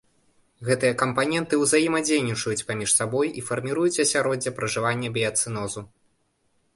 Гэтыя кампаненты ўзаемадзейнічаюць паміж сабой і фарміруюць асяроддзе пражывання біяцэнозу.